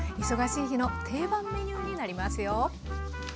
忙しい日の定番メニューになりますよ。